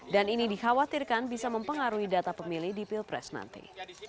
dan ini dikhawatirkan bisa mempengaruhi data pemilih di pilpres nanti